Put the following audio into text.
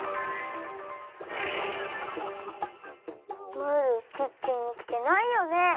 ムールキッチンにきてないよね？